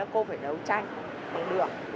cô phải đấu tranh bằng được